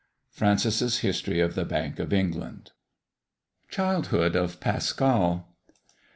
Francis's History of the Bank of England. CHILDHOOD OF PASCAL.